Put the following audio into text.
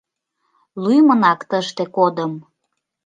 — Лӱмынак тыште кодым.